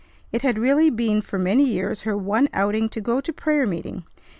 It had really been for many years her one outing to go to prayer meeting.